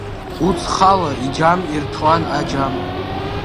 Уцхала иџьам ирҭәуан аџьам.